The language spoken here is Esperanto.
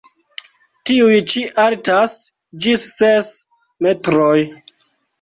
Tiuj ĉi altas ĝis ses metroj.